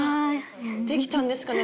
できたんですかね？